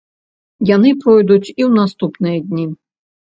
Яны пройдуць і ў наступныя дні.